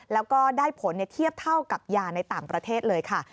แล้วก็ได้ผลเทียบเท่ากับยาในต่างประเทศเลยค่ะ